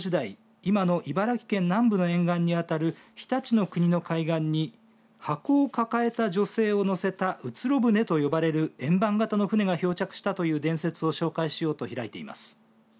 今の茨城県南部の沿岸に当たる常陸国の海岸に箱を抱えた女性を乗せたうつろ舟と呼ばれる円盤型の舟が漂着したという伝説を紹介しようと開いています。